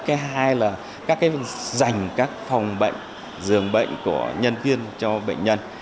cái hai là dành các phòng bệnh giường bệnh của nhân viên cho bệnh nhân